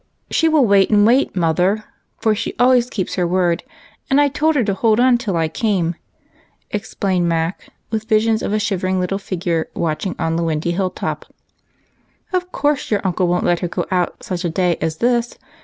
" She will wait and wait, mother, for she always keeps her Avord, and I told her to hold on till I came," explained Mac, with visions of a shivering little figure watching on the windy hill top. " Of course, your uncle won't let her go out such a day as this.